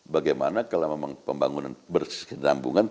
bagaimana kalau memang pembangunan bersih dan rambungan